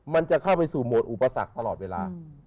มันจะเข้าไปสู่โหมดอุปสรรคตลอดเวลา